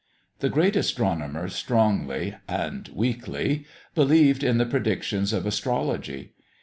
This great astronomer strongly and weakly believed in the predictions of astrology.